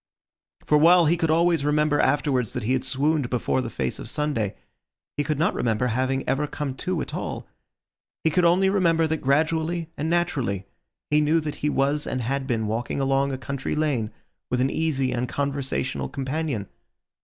For while he could always remember afterwards that he had swooned before the face of Sunday, he could not remember having ever come to at all. He could only remember that gradually and naturally he knew that he was and had been walking along a country lane with an easy and conversational companion.